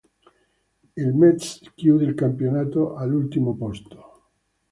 Il Metz chiude il campionato all'ultimo posto.